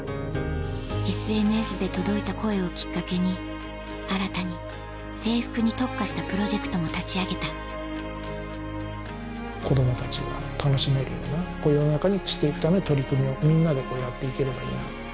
ＳＮＳで届いた声をきっかけに新たに制服に特化したプロジェクトも立ち上げた子どもたちが楽しめるような世の中にしていくため取り組みをみんなでやっていければいいな。